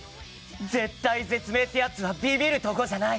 絶体絶命ってやつはビビるところじゃない！